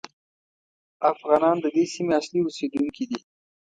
افغانان د دې سیمې اصلي اوسېدونکي دي.